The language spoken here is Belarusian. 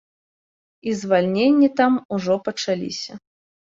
І звальненні там ужо пачаліся.